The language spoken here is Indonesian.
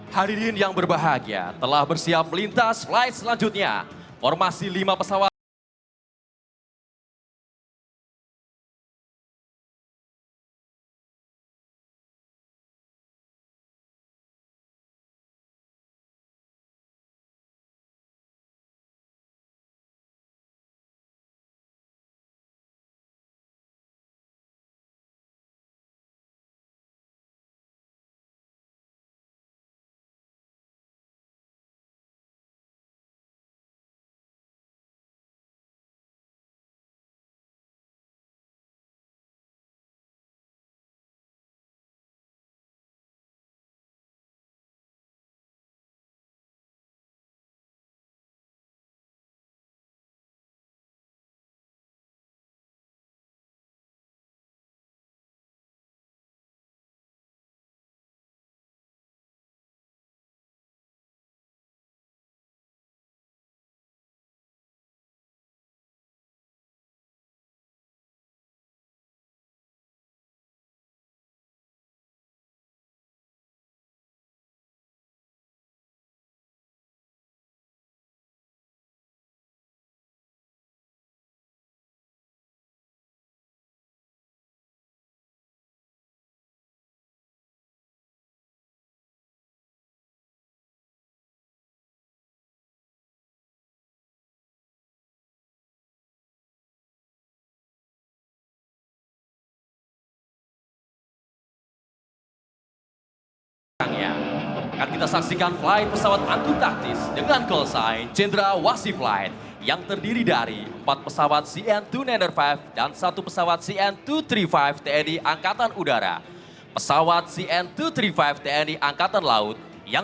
hadirin yang berbahagia telah bersiap melintas flight selanjutnya